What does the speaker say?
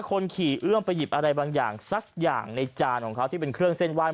คนขี่เอื้อมไปหยิบอะไรบางอย่างสักอย่างในจานของเขาที่เป็นเครื่องเส้นไหว้